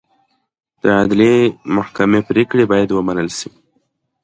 د عدلي محکمې پرېکړې باید ومنل شي.